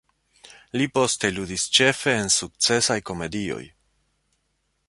Li poste ludis ĉefe en sukcesaj komedioj.